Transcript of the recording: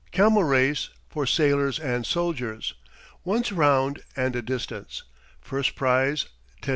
Camel race, for sailors and soldiers. Once round and a distance. First prize, 10s.